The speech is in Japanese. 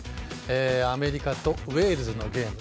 アメリカとウェールズのゲーム。